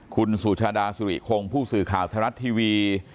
คุณสุชาดาสุริคงผู้สื่อข่าวไทยรัฐทีวี